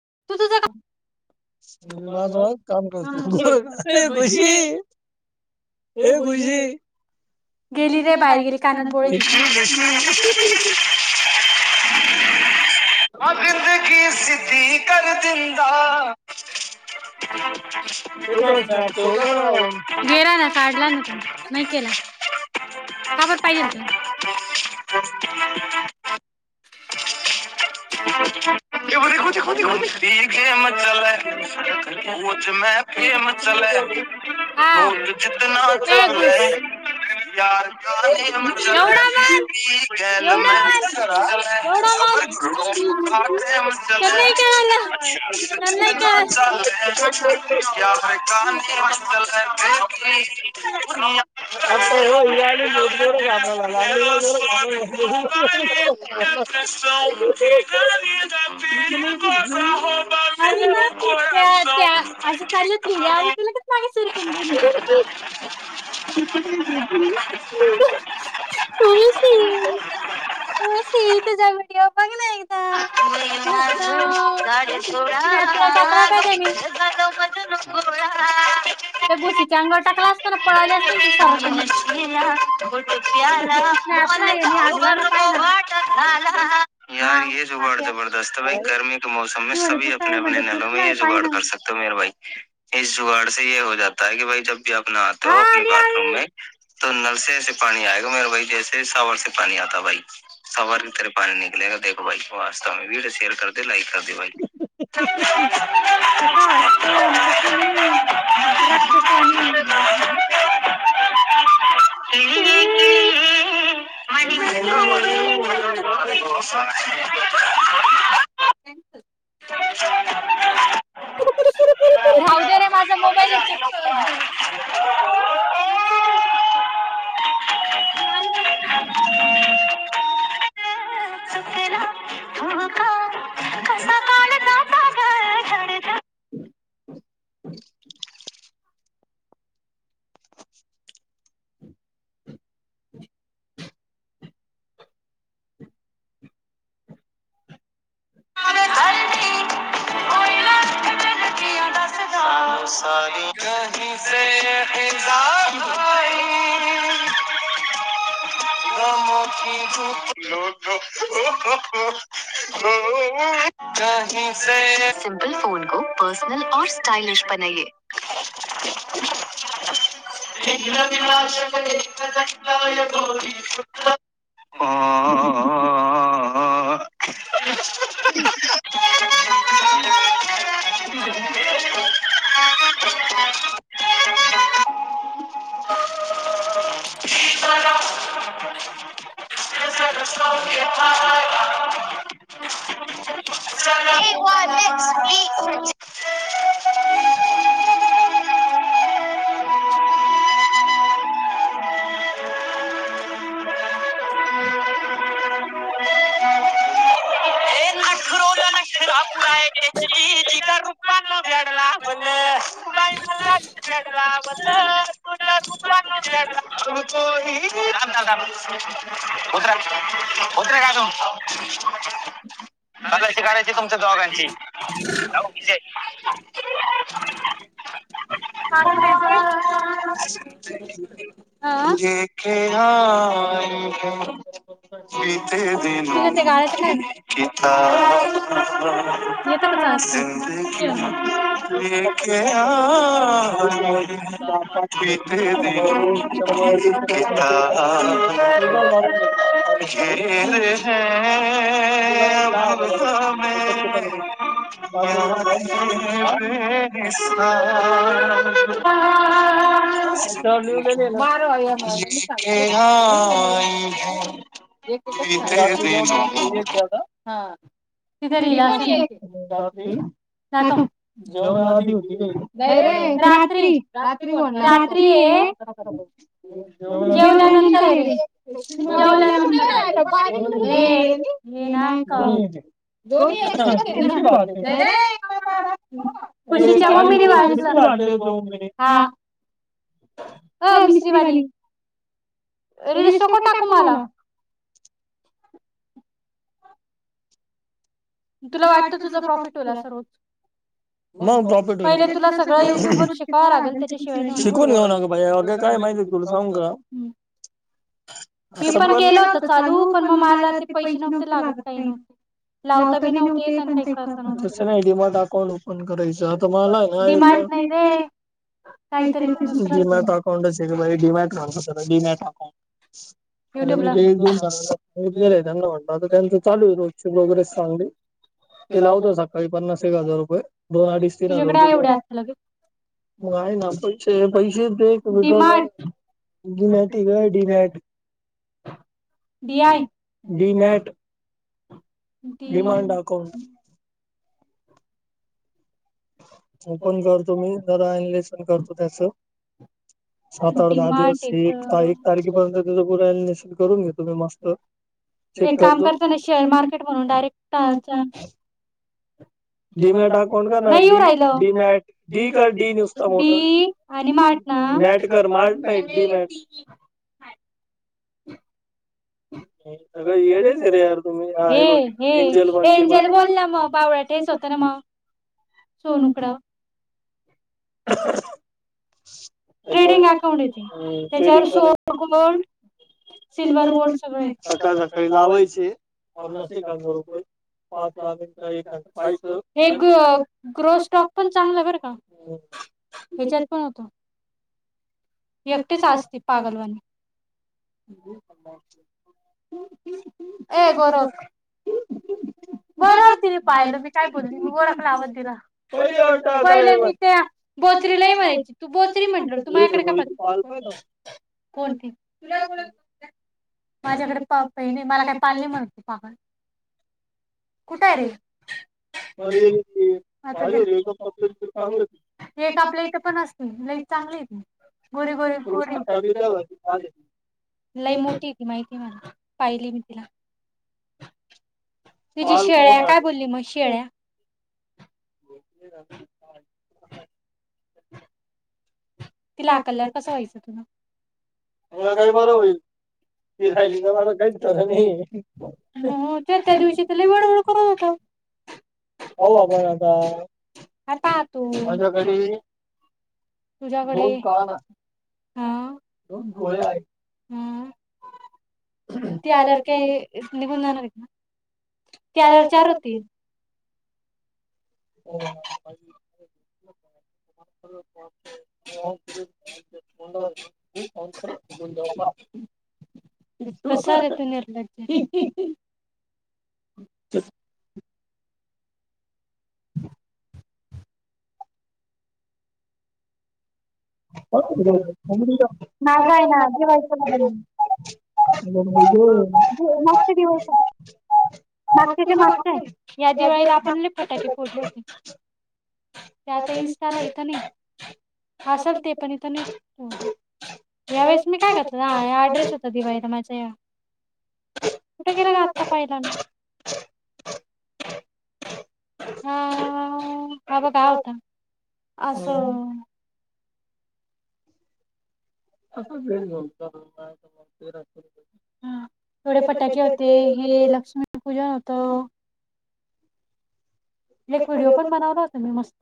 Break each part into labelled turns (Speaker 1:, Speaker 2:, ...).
Speaker 1: तू तुज काम गेली रे गेली कानात बोळ. कर दिंद [unintelligible] तु [unintelligible]
Speaker 2: का बर पाहिजेल तुला
Speaker 1: [unintelligible] अच्छा [unintelligible] ते क क [unintelligible] [unintelligible] [unintelligible] [unintelligible] [unintelligible] हर काल [unintelligible] आसय होय याय [unintelligible] [unintelligible]
Speaker 2: आणि ना त्या त्या अशी चालल्यात कणी आणि तुला काय माग सरकून गेली.
Speaker 1: ठी म मा गड सोड जा गोळा शला गट प्याला प गर वाटला जुगाड जबरदस्त ह भाई गर्मी के म मोसमे सी आपने आपने नलोे जुगाड कर सकतो म बा इ जुगाडस य हो जात आहे क भई ज आपना आते हो आप बाथरूम मे तर नरसेे पाणी आयग मे भाई जैसे सावरसे पाणी आता भाई सवार कि तरे पाणी निकले बाई वास्त वडओ शेअर करते लाईक कर
Speaker 2: कसतो कस नाही रागतस आणि
Speaker 1: मा
Speaker 2: थँ्य धाव दे रे माझा मोबाईल आहे चेक
Speaker 1: ला कसा कोयनाडडस सारी कही गमकी भूत लो हो सिमपल फोन को पर्सनल औ स्टाइलिश बनये ह एवासी रूप भडलाला तु रूडलात उतर का तुला श कायच तुमच्या दोघांची जाऊे देेन ह ह जिंदे क क हा किता गेर
Speaker 2: ती का
Speaker 1: म देस [unintelligible] हा हा हा [unintelligible]
Speaker 2: [unintelligible]
Speaker 1: न आती रात्री [unintelligible] रात्री ये जेवल्यानंतर ये रे जेवल्यानंतर र ये ना का. खुशीच्या मम्मी वाचला हा.
Speaker 2: अ मिश्रीवाली. रेशो को टाकू मला. तुला वाटत तुझा प्रॉफिट होईल असं रोज पहिले तुला सगळं युट्यूब वर शिकावं लागल, त्याच्याशिवाय नाही ह मी पण केलं होत. चालू पण मग मला ते पैसे नव्हते लागत काही नव्हते लाव.
Speaker 1: म अउं ओप करायच मला म अउं म्ह अ म्ह त्यांचू रोज प्रो्रेस [unintelligible] ते लावत सकाळी पन्नास एक हजार रुपये दोन अडीच तीन हजार रुपये मग आहे. ना प पैसे डीमॅट डीमॅट. Demand account. ओ पण करतो मी जरा अनललेशन करतो, त्याच सात आठ दहा दिवस एक एक तारखेपर्यंत त्याच पे अनलेशन करून घेतो मी मस्त.
Speaker 2: एक काम करतो ना शेअर मार्केट म्हणून डायरेक्ट टाच डीमेट अकाउंट. नाही येऊ राहिलं डि आणि माट मॅट कर. [inaudible] हे हे एंजल बोल ना मग बावळट मग बावळट हाय स्वतःला मा सोनुकडं.
Speaker 1: [inaudible] व [unintelligible]
Speaker 2: सिल्व्हर गोल्ड सगळे सकाळी सकाळी लावाय हे ग्रो स्टॉक पण चांगला बर का हच्यात पण होत [unintelligible] एकटीच असती पागलवानी. [unintelligible] ए गोरख बरर तिने पाहिलं मी काय बोलली म गोरखला आवाज दिला पहिले मी त्या बोचरीला ए म्हणायची तू बो म्हटलं तुम मायाकडे काय [unintelligible] कोणती माझ्याकडे हे पाप आहे नी मला काय पाल नाही म्हणत पाग कुठ आहे रे आपल्या इथ [unintelligible] पण असतील. लई हायत चांगली आहे की. गोती गोरी गोरी लाई मोठी ती माहिती मला पाहिली मी तिला तुझी शेळ्या काय बोलली मग शेळ्या. [unintelligible]
Speaker 1: [unintelligible]
Speaker 2: [unintelligible] तिला आखल्यावर कसं व्हायचं तुज मला काही बरं होईलि रा तर माझ काही म ते त्या दिवशी त्याला वळ वळ करून होतण आ पा तूक फोन करा ना हां डोळे आहेत. [unintelligible] ती आल्यावर काय निघून जाणार आहेत ना ती आल्यावर चार होतील [unintelligible] [unintelligible] [unintelligible] [inaudible] प्रसारेत [unintelligible] तर ना काय ना दिवाळीचा माग दिवाळी मागच्या ते माग या दिवाळीला आपण फटाके फोडले होते. त्यात इस काला इथं नाही असल ते पण इथ नाहीत. [unintelligible] यावेेळेस मी काय घातलाय हा ड्रेस होत दिवाळीत माझ्या या कुठे गेलं का आत्ता पहिला ना हां माझा भाऊ होता असं हा हां मिळेल गाऊन [unintelligible] हां थोडे फटाके होते हे लक्ष्मी पूजन होत. एक व्हिडिओ पण बनवला होता मी मस्त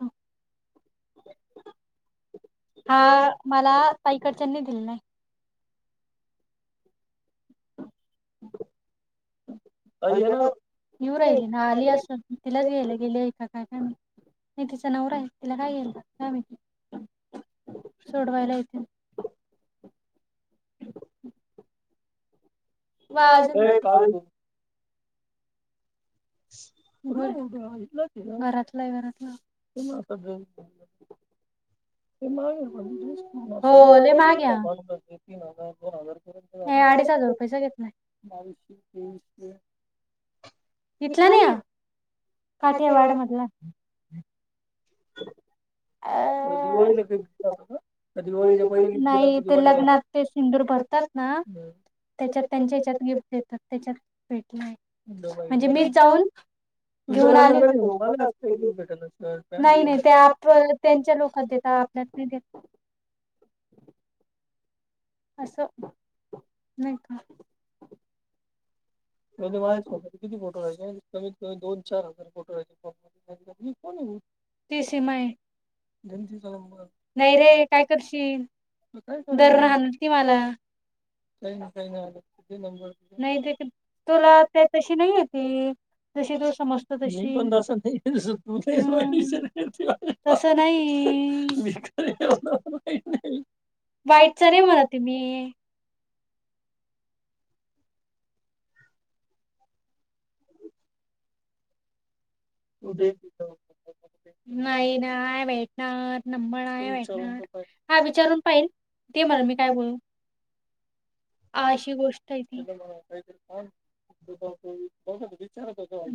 Speaker 2: हां मला ताईकडच्यानी दिलं नाही ताई येणार येऊं राहिली ना आली असल तिलाच घ्यायला गेलं एका काय काय म्हटली नाही तिचा नवरा आहे तिला काय घेतात काय सोडवायला येतील वाज
Speaker 1: [inaudible]
Speaker 2: घरातल्या घरातलं हो लई मागे दोन हजार हे अडीच हजार रुपयाचे घेतल आहे. [unintelligible] इथला नाहीये हा काठीयावाड मध्ये आहे [inaudible] अ, दिवाळीला गिफ्ट देतात का की दिवाळीच्या पहिले गिफ्ट देतात? नाही ते लग्नात ते सिंदूर भरतात ना त्याच्यात त्यांच्या ह्याच्यात गिफ्ट देतात त्याच्यातल हे [inaudible] म्हणजे मीच जाऊन घेऊन आलेे होते. नाही नाही, ते आप त्यांच्या लोकात देतात, आपल्यात नाही देत. अस, नाही का? म्हणजे माझ्या खोक्यात किती मोठे कमीत कमी दोन चार फोटो राहीले, ही कोण हे? ती सीमा हाय दे ना तिचा नंबर नाही रे काय करशील धरून हाणल ती मला काहीना काही मिळालं, ते नंबर नाही ते तुला ते तशी नाहीये ती. जशी तु समजतो तशी, तस नाही, वाईटच नाही म्हणत हे मी. नाही नाही भेटणार नंबर आहे विचार हा विचारून पाहिल, ते म्हणल मी काय बोलू अशी गोष्ट आहे ती. कॉल तू जाऊन बोलली, बरं झालं विचारत होतो आम्ही